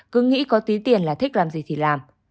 cứ nghĩ có tí tiền là thích làm gì thì làm